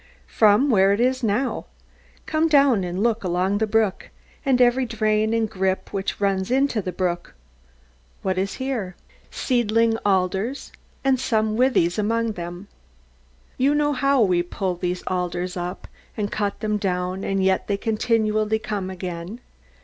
From where it is now. Come down and look along the brook, and every drain and grip which runs into the brook. What is here? Seedling alders, and some withies among them. Very well. You know how we pull these alders up, and cut them down, and yet they continually come again.